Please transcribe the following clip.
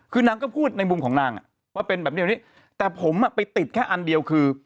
คือนางก็พูดในมุมของนางอ่ะว่าเป็นแบบนี้แต่ผมอ่ะไปติดแค่อันเดียวคือ